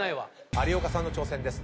有岡さんの挑戦です。